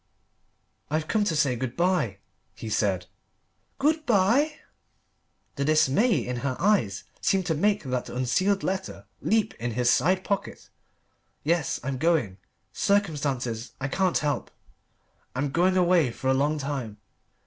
"I've come to say good bye," he said. "Good bye?" the dismay in her eyes seemed to make that unsealed letter leap in his side pocket. "Yes I'm going circumstances I can't help I'm going away for a long time."